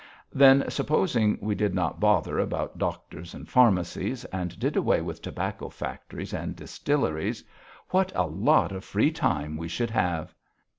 Then supposing we did not bother about doctors and pharmacies, and did away with tobacco factories and distilleries what a lot of free time we should have!